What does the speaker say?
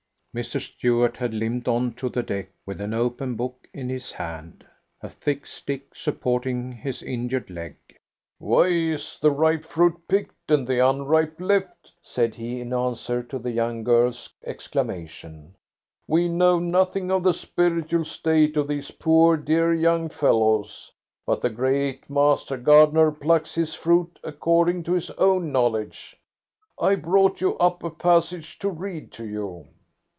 Mr. Stuart had limped on to the deck with an open book in his hand, a thick stick supporting his injured leg. "Why is the ripe fruit picked, and the unripe left?" said he in answer to the young girl's exclamation. "We know nothing of the spiritual state of these poor dear young fellows, but the great Master Gardener plucks His fruit according to His own knowledge. I brought you up a passage to read to you."